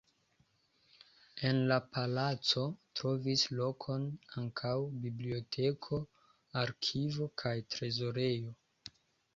En la palaco trovis lokon ankaŭ biblioteko, arkivo kaj trezorejo.